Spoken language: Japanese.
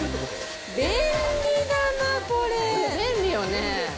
便利よね。